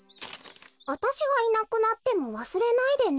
「わたしがいなくなってもわすれないでね」。